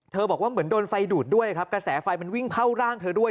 บอกว่าเหมือนโดนไฟดูดด้วยครับกระแสไฟมันวิ่งเข้าร่างเธอด้วย